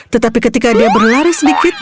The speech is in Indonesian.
tetapi ketika dia berlari sedikit